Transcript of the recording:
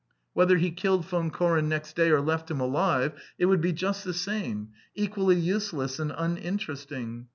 Whether he killed Von Koren next day or left him alive, it would be just the same, equally useless and uninteresting.